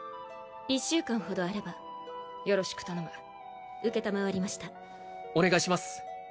１週間ほどあればよろしく頼む承りましたお願いします